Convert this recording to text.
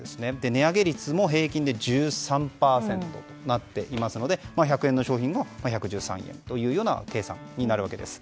値上げ率も平均で１３％となっていますので１００円の商品が１１３円という計算になるわけです。